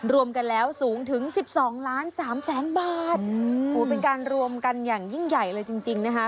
รวมกันแล้วสูงถึง๑๒๓๐๐๐๐๐บาทเป็นการรวมกันอย่างยิ่งใหญ่เลยจริงนะคะ